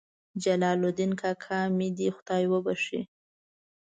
جلال الدین کاکا مې دې خدای وبخښي.